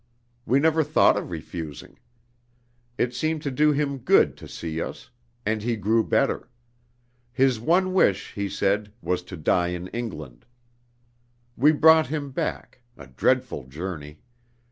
We never thought of refusing. It seemed to do him good to see us, and he grew better. His one wish, he said, was to die in England. We brought him back a dreadful journey.